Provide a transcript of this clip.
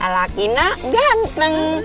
laki nak ganteng